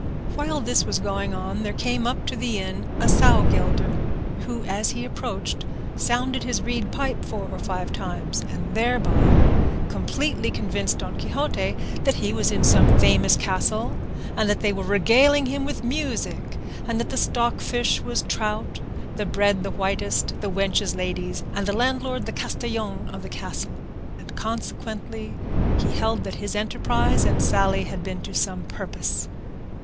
While this was going on there came up to the inn a sowgelder, who, as he approached, sounded his reed pipe four or five times, and thereby completely convinced Don Quixote that he was in some famous castle, and that they were regaling him with music, and that the stockfish was trout, the bread the whitest, the wenches ladies, and the landlord the castellan of the castle; and consequently he held that his enterprise and sally had been to some purpose.